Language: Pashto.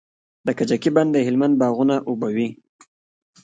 د کجکي بند د هلمند باغونه خړوبوي.